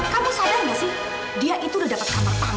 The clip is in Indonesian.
kamu sabar gak sih dia itu udah dapet kamar tamu